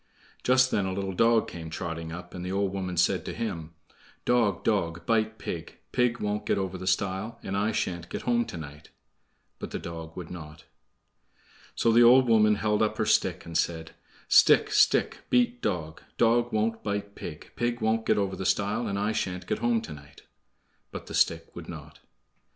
Just then a little dog came trotting up, and the old woman said to him: "Dog, dog, bite pig; Pig won't get over the stile, And I sha'n't get home to night." But the dog would not. So the old woman held up her stick, and said: "Stick, stick, beat dog; Dog won't bite pig; Pig won't get over the stile, And I sha'n't get home to night." But the stick would not.